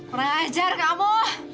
orang ajar kamu